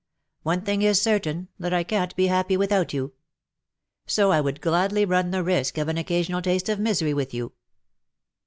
One thing is certain, that I canH be happy without you ; so I would gladly run the risk of an occasional taste of misery with you.